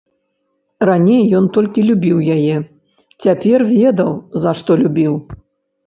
Раней ён толькі любіў яе, цяпер ведаў, за што любіў.